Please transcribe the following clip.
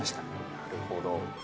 なるほど。